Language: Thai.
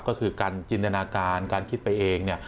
ก็คือการจินตนาการการคิดไปเอง